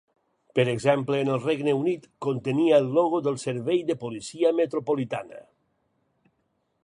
Per exemple, en el Regne Unit, contenia el logo del Servei de Policia Metropolitana.